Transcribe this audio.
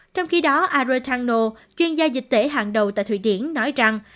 trong khi đó arretano chuyên gia dịch tễ hàng đầu tại thụy điển nói rằng